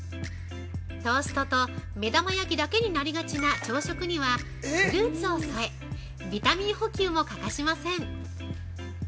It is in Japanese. トーストと目玉焼きだけになりがちな朝食にはフルーツを添えビタミン補給も欠かしません。